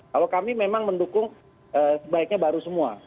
kalau kami memang mendukung sebaiknya baru semua